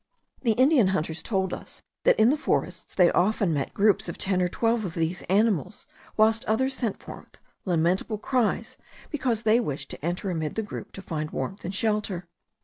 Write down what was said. The Indian hunters told us, that in the forests they often met groups of ten or twelve of these animals, whilst others sent forth lamentable cries, because they wished to enter amid the group to find warmth and shelter.